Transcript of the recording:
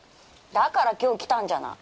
だから今日来たんじゃない。